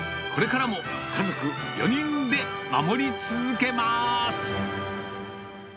これからも家族４人で守り続けます。